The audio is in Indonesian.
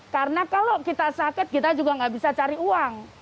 karena kalau kita sakit kita juga tidak bisa cari uang